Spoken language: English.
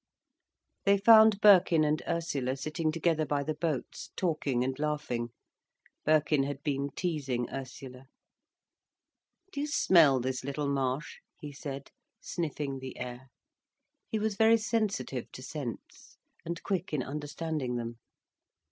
They found Birkin and Ursula sitting together by the boats, talking and laughing. Birkin had been teasing Ursula. "Do you smell this little marsh?" he said, sniffing the air. He was very sensitive to scents, and quick in understanding them.